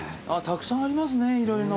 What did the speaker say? たくさんありますね色々。